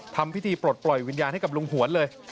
ทำพิธีปลดปล่อยวิญญาณให้กับลุงหวนเลย